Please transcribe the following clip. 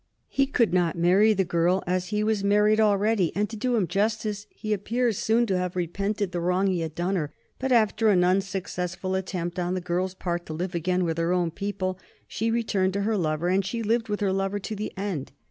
He could not marry the girl, as he was married already, and, to do him justice, he appears soon to have repented the wrong he had done her. But after an unsuccessful attempt on the girl's part to live again with her own people she returned to her lover, and she lived with her lover to the end.